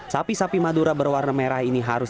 sapi sapi madura berwarna merah ini harus